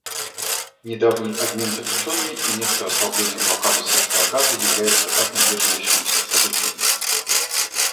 Недавний обмен заключенными и некоторое ослабление блокады сектора Газа являются обнадеживающими событиями.